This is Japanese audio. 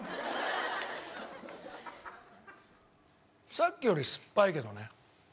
さっきよりすっぱいけどね。